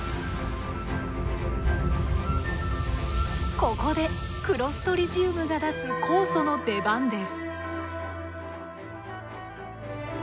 ここでクロストリジウムが出す酵素の出番です。